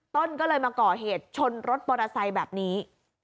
ต้นก็เลยมาก่อเหตุชนรถปลอดศัยแบบนี้